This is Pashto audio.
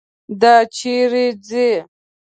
دا چیرې ځي.